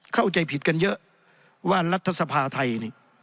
เข้าใจผิดกันเยอะว่ารัฐสภาไทยนี่